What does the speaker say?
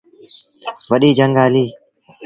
وڏيٚ جھنگ هليٚ۔